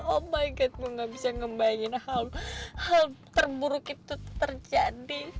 oh my god gue gak bisa ngebayangin hal terburuk itu terjadi